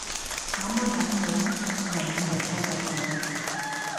慘乜撚嘢？，又唔係溝緊你